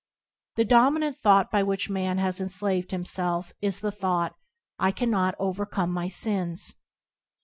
The dominant thought by which man has enslaved himself is the thought, "I cannot overcome my sins."